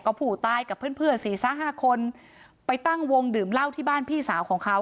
ก็ผู้ตายกับเพื่อนเพื่อนสี่ห้าคนไปตั้งวงดื่มเหล้าที่บ้านพี่สาวของเขา